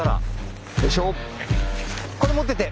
これ持ってて。